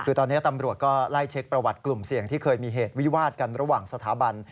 คือตอนนี้ตำรวจก็ไล่เช็คประวัติกลุ่มเสี่ยงที่เคยมีเหตุวิวาดกันระหว่างสถาบัน